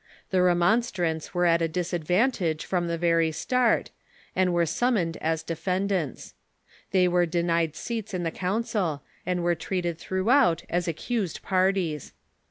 The Remon of Dort »\.^„ strants were at a disadvantage trom the very start, and were summoned as defendants. They Avere denied seats in the Council, and were treated throughout as accused par ties.